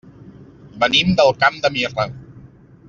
Venim del Camp de Mirra.